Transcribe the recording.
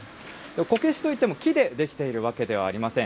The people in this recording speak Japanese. こけしといっても木で出来ているわけではありません。